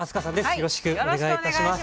よろしくお願いします。